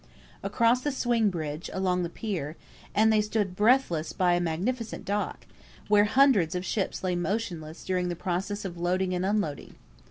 Across the swing bridge, along the pier, and they stood breathless by a magnificent dock, where hundreds of ships lay motionless during the process of loading and unloading.